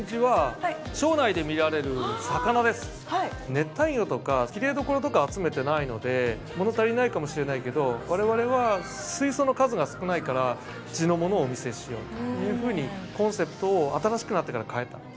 熱帯魚とかきれいどころとか集めてないのでもの足りないかもしれないけど我々は水槽の数が少ないから地のものをお見せしようというふうにコンセプトを新しくなってから変えた。